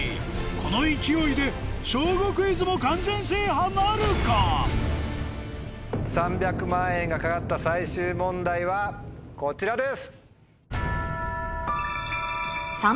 この勢いで３００万円が懸かった最終問題はこちらです。